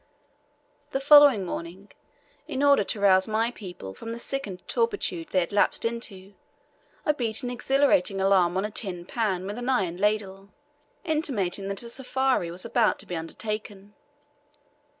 The following morning, in order to rouse my people from the sickened torpitude they had lapsed into, I beat an exhilarating alarum on a tin pan with an iron ladle, intimating that a sofari was about to be undertaken.